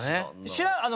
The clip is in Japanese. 知らんな。